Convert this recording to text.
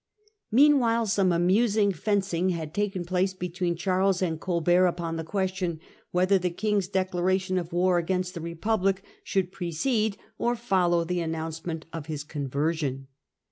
Meanwhile some amusing fencing had taken place between Charles and Colbert, upon the question whether Charles ami the King's declaration of war against the Re Coibert. public should precede or follow the announce ment of his conversion.